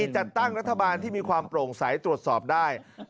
จัดตั้งรัฐบาลที่มีความโปร่งใสตรวจสอบได้